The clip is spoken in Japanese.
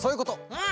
うん。